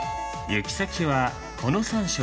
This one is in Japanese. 行き先はこの３色。